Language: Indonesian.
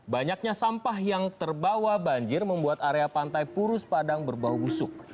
banyaknya sampah yang terbawa banjir membuat area pantai purus padang berbau busuk